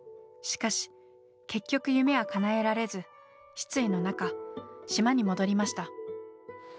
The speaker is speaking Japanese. しかし結局夢はかなえられず失意の中島に戻りました。